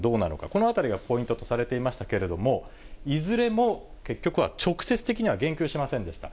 このあたりがポイントとされていましたけれども、いずれも結局は、直接的には言及しませんでした。